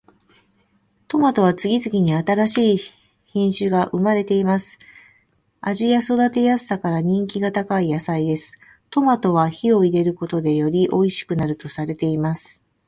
トマトは次々に新しい品種が生まれています。味や育てやすさから人気が高い野菜です。トマトは火を入れることでよりおいしくなるとされています。